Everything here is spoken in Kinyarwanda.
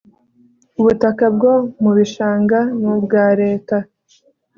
Ubutaka bwo mu bishanga ni ubwa Leta